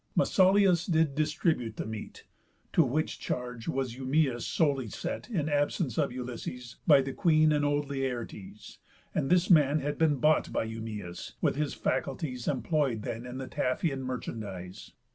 Mesauliús did distribute the meat, (To which charge was Eumæus solely set, In absence of Ulysses, by the queen And old Laertes) and this man had been Bought by Eumæus, with his faculties, Employ'd then in the Taphian merchandise.